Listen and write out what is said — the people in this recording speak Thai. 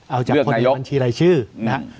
เอาจากคนในบัญชีรายชื่อเลือกนายก